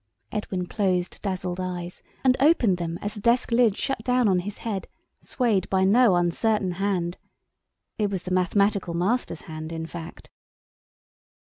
Edwin closed dazzled eyes, and opened them as the desk lid shut down on his head, swayed by no uncertain hand. It was the mathematical master's hand, in fact.